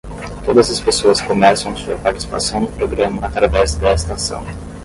Todas as pessoas começam sua participação no programa através desta ação.